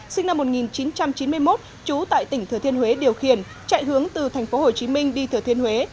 sinh năm một nghìn chín trăm chín mươi một trú tại tỉnh thừa thiên huế điều khiển chạy hướng từ thành phố hồ chí minh đi thừa thiên huế